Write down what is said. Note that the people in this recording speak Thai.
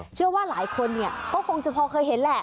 เชื่อว่าหลายคนเนี่ยก็คงจะพอเคยเห็นแหละ